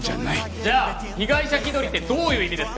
じゃあ被害者気取りってどういう意味ですか？